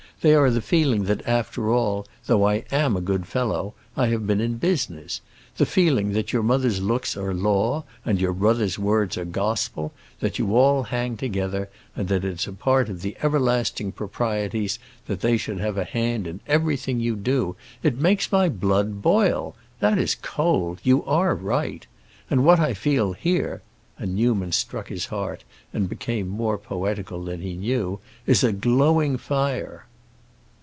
They are the feeling that, after all, though I am a good fellow, I have been in business; the feeling that your mother's looks are law and your brother's words are gospel; that you all hang together, and that it's a part of the everlasting proprieties that they should have a hand in everything you do. It makes my blood boil. That is cold; you are right. And what I feel here," and Newman struck his heart and became more poetical than he knew, "is a glowing fire!"